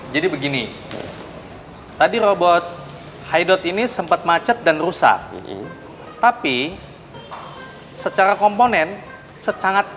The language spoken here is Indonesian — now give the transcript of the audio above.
jadi begini tadi robot hai dot ini sempat macet dan rusak tapi secara komponen sangat